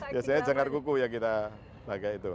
biasanya jangkar kuku yang kita pakai itu